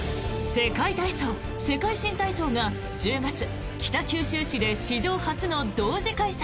世界体操・世界新体操が１０月、北九州市で史上初の同時開催！